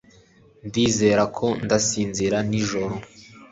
Ndizera ko adasinzira nijoro